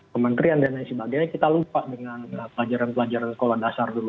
kementerian dan lain sebagainya kita lupa dengan pelajaran pelajaran sekolah dasar dulu